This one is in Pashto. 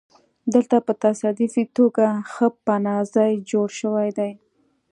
دلته په تصادفي توګه ښه پناه ځای جوړ شوی دی